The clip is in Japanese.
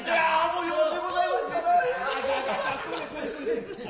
もうよろしゅうございましたな。